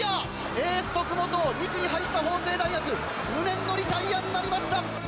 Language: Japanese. エース、徳本を２区に配した法政大学、無念のリタイアになりました。